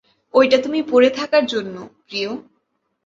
ঐটা তুমি পরে থাকার জন্য, প্রিয়।